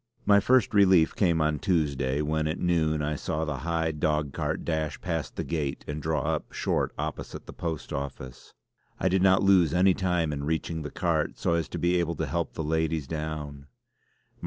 My first relief came on Tuesday when at noon I saw the high dog cart dash past the gate and draw up short opposite the post office. I did not lose any time in reaching the cart so as to be able to help the ladies down.